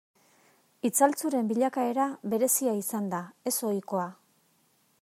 Itzaltzuren bilakaera berezia izan da, ez ohikoa.